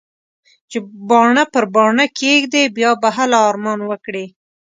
چې باڼه پر باڼه کېږدې؛ بيا به هله ارمان وکړې.